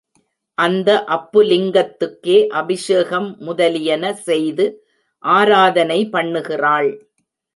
அந்த அப்புலிங்கத்துக்கே அபிஷேகம் முதலியன செய்து ஆராதனை பண்ணுகிறாள்.